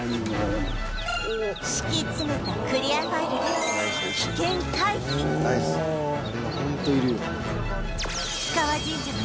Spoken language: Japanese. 敷き詰めたクリアファイルでナイス。